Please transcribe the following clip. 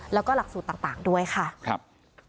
แล้วก็หลักสูตรต่างด้วยค่ะครับ